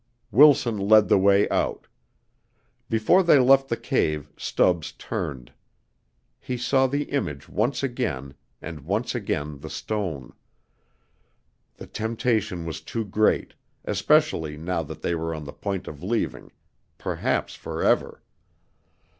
Wilson led the way out. Before they left the cave Stubbs turned. He saw the image once again, and once again the stone. The temptation was too great, especially now that they were on the point of leaving perhaps forever.